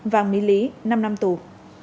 vàng mỹ lý năm năm tù